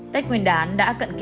tết nguyên đán đã cận kề